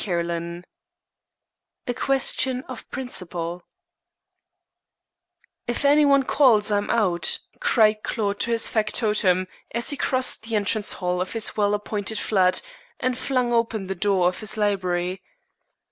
CHAPTER XIII A QUESTION OF PRINCIPLE "If any one calls, I am out," cried Claude to his factotum, as he crossed the entrance hall of his well appointed flat, and flung open the door of his library.